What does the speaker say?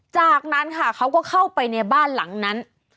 จากนั้นค่ะเขาก็เข้าไปในบ้านหลังนั้น